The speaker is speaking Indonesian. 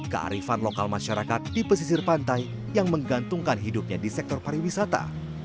kearifan lokal masyarakat di pesisir pantai yang menggantungkan hidupnya di sektor pariwisata